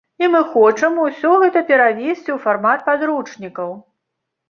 І мы хочам усё гэта перавесці ў фармат падручнікаў.